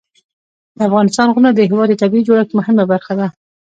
د افغانستان غرونه د هېواد د طبیعي جوړښت مهمه برخه ده.